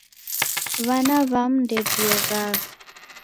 W'ana w'amu ndew'ioghagha